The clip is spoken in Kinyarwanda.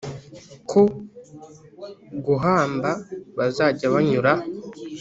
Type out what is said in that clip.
ko guhamba bazajya banyura